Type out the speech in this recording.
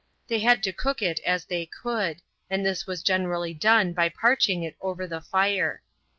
They had to cook it as they could, and this was generally done by parching it over the fire.